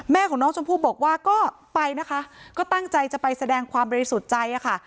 ของน้องชมพู่บอกว่าก็ไปนะคะก็ตั้งใจจะไปแสดงความบริสุทธิ์ใจค่ะ